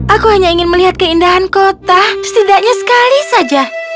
aku hanya ingin melihat keindahan kota setidaknya sekali saja